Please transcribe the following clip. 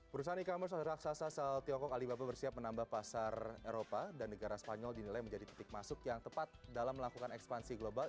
perusahaan e commerce solar raksasa asal tiongkok alibaba bersiap menambah pasar eropa dan negara spanyol dinilai menjadi titik masuk yang tepat dalam melakukan ekspansi global